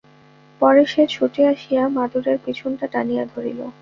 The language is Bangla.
পরে সে ছুটে আসিয়া মাদুরের পিছনটা টানিয়া ধরিল।